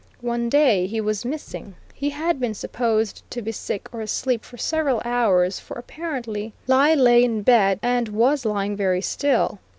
One day he was missing. He had been supposed to be sick or asleep for several hours, for apparently lie lay in bed, and was lying very still.